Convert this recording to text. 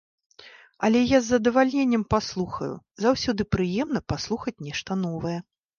Але я з задавальненнем паслухаю, заўсёды прыемна паслухаць нешта новае.